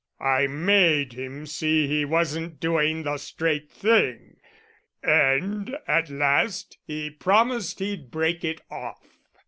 I made him see he wasn't doing the straight thing, and at last he promised he'd break it off."